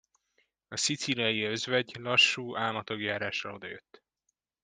A szicíliai özvegy lassú, álmatag járással odajött.